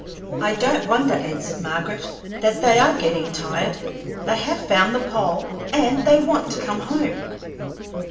"I don't wonder," answered Margaret, "that they are getting tired; they have found the pole, and they want to come home.